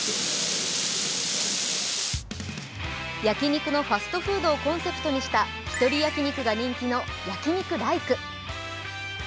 焼き肉のファストフードをコンセプトにした１人焼き肉が人気の焼肉ライク。